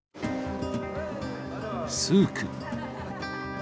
スーク。